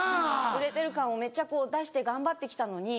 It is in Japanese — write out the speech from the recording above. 売れてる感をめっちゃ出して頑張ってきたのに。